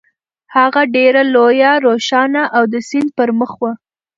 هغه ډېره لویه، روښانه او د سیند پر مخ وه.